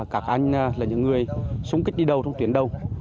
các anh là những người súng kích đi đâu trong tuyến đâu